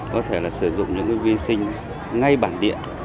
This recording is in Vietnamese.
có thể là sử dụng những cái vi sinh ngay bản địa